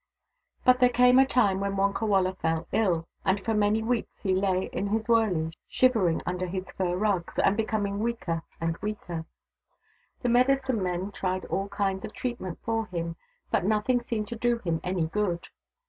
But there came a time when Wonkawala fell ill, and for many weeks he lay in his wurley, shivering under his fur rugs, and becoming weaker and weaker. The medicine men tried all kinds of treatment for him, but nothing seemed to do him any good.